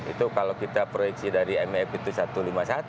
itu kalau kita proyeksi dari imf itu satu ratus lima puluh satu